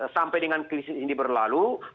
sampai dengan krisis ini berlalu